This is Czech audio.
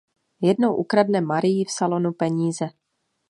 Jednou ukradne Marii v salonu peníze.